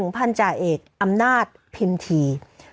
๑พันธุ์จ่ายเอกอำนาจพิมพ์ที